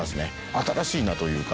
新しいなというか。